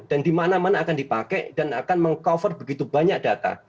dan dimana mana akan dipakai dan akan meng cover begitu banyak data